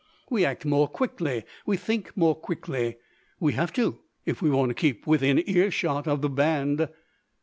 We act more quickly; we think more quickly. We have to if we want to keep within earshot of the band.